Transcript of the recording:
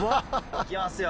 行きますよ。